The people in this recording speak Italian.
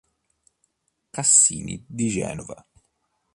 Cassini" di Genova.